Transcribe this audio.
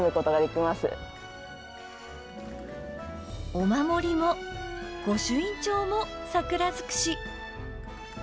お守りも御朱印帳も桜づくし。